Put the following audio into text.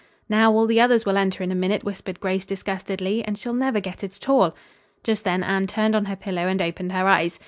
"Now, all the others will enter in a minute," whispered Grace disgustedly, "and she'll never get it at all." Just then Anne turned on her pillow and opened her eyes.